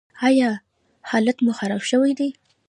ایا حالت مو خراب شوی دی؟